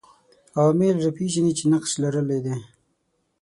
عوامل راپېژني چې نقش لرلای دی